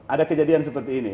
ada kejadian seperti ini